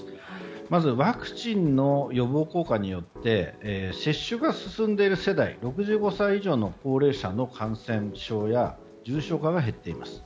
まずワクチンの予防効果によって接種が進んでいる世代６５歳以上の高齢者の感染や重症化は減っています。